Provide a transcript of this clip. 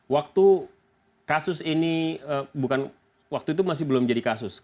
waktu kasus ini bukan waktu itu masih belum jadi kasus